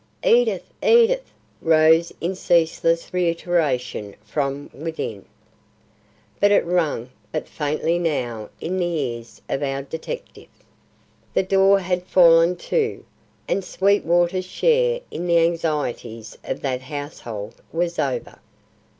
"Edith! Edith!" rose in ceaseless reiteration from within. But it rang but faintly now in the ears of our detective. The door had fallen to, and Sweetwater's share in the anxieties of that household was over.